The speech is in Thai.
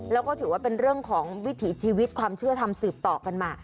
แล้วก็ถือว่าเป็นเรื่องของวิถีชีวิตความเชื่อทำสืบต่อกันมา